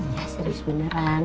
iya serius beneran